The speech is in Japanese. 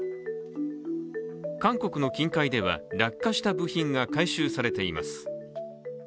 韓国の近海では落下した部品が回収されています。